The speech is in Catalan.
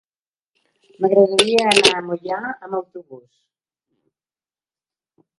M'agradaria anar a Moià amb autobús.